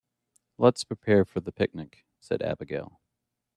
"Let's prepare for the picnic!", said Abigail.